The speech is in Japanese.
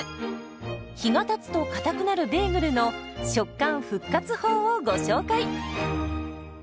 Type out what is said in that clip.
日がたつとかたくなるベーグルの食感復活法をご紹介。